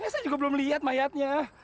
saya juga belum lihat mayatnya